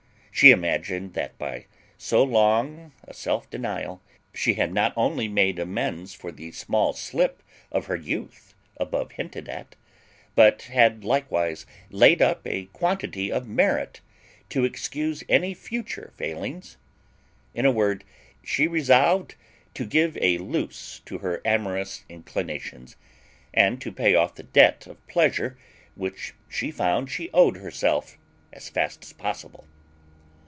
She imagined that by so long a self denial she had not only made amends for the small slip of her youth above hinted at, but had likewise laid up a quantity of merit to excuse any future failings. In a word, she resolved to give a loose to her amorous inclinations, and to pay off the debt of pleasure which she found she owed herself, as fast as possible.